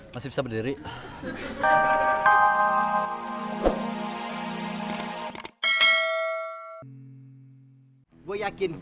masih bisa berdiri